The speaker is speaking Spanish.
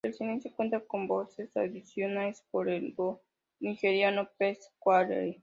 El sencillo cuenta con voces adicionales por el dúo nigeriano P-Square.